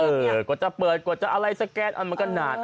เออกดจะเปิดกดจะอะไรสักแก๊สมันก็นาน